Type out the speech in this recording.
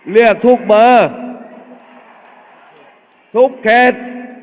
เรียกทุกเบอร์ทุกเขต